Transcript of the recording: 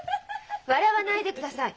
笑わないでください。